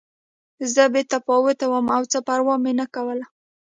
زه بې تفاوته وم او څه پروا مې نه کوله